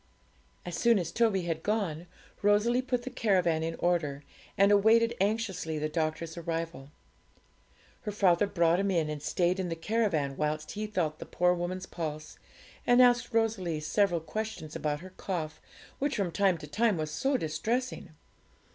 As soon as Toby had gone, Rosalie put the caravan in order, and awaited anxiously the doctor's arrival. Her father brought him in, and stayed in the caravan whilst he felt the poor woman's pulse, and asked Rosalie several questions about her cough, which from time to time was so distressing.